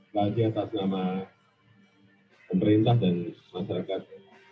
baik atas nama pemerintah dan masyarakat